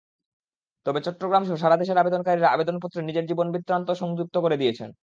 তবে চট্টগ্রামসহ সারা দেশের আবেদনকারীরা আবেদনপত্রে নিজের জীবনবৃত্তান্ত সংযুক্ত করে দিয়েছেন।